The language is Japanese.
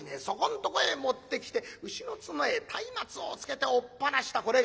そこんとこへ持ってきて牛の角へ松明をつけておっ放した。